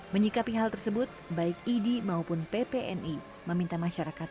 menyikapi hal tersebut baik idi maupun ppni meminta masyarakat